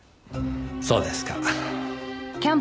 そうですか。